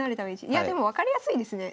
いやでも分かりやすいですね。